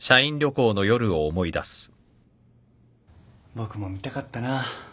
僕も見たかったな。